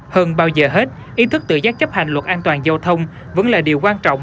hơn bao giờ hết ý thức tự giác chấp hành luật an toàn giao thông vẫn là điều quan trọng